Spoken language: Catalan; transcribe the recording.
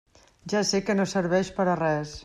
Ja sé que no serveix per a res.